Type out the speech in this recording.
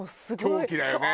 狂気だよね。